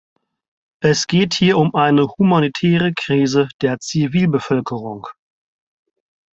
Es geht hier um eine humanitäre Krise der Zivilbevölkerung.